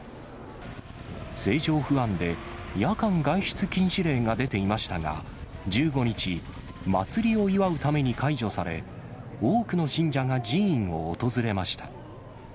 政情不安で、夜間外出禁止令が出ていましたが、１５日、祭りを祝うために解除され、多くの信者が寺院を訪れました。